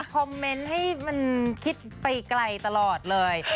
คอมเมนต์ให้มันคิดไปไกลตลอดเลย